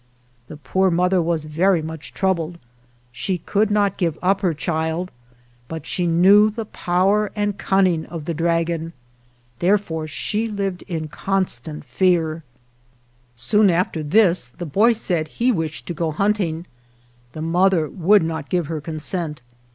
The poor mother was very much troubled; she could not give up her child, but she knew the power and cunning of the dragon, therefore she lived in constant fear. 6 ORIGIN OF THE APACHE Soon after this the boy said that he wished to go hunting. The mother would not give her consent.